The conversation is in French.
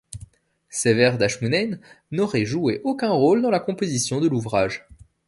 Sévère d'Achmounein n'aurait joué aucun rôle dans la composition de l'ouvrage.